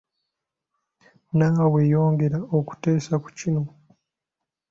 Naawe yongera okuteesa ku kino!!